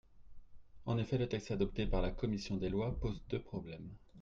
En effet, le texte adopté par la commission des lois pose deux problèmes.